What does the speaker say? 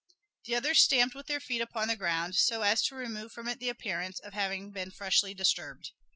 The others stamped with their feet upon the ground, so as to remove from it the appearance of having been freshly disturbed.